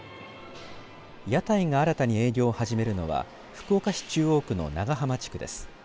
屋台が新たに営業を始めるのは福岡市中央区の長浜地区です。